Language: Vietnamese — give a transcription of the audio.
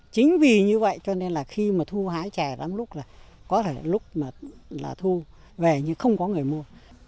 chính vì như vậy cho nên là khi mà thu hái chè lắm lúc là có thể lúc mà là thu về nhưng không có người mua